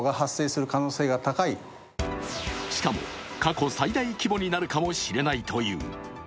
しかも、過去最大規模になるかもしれないという。